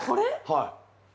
はい。